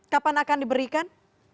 kapan akan diberikan